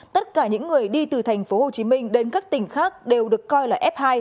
tất cả những người đi từ tp hcm đến các tỉnh khác đều được coi là f hai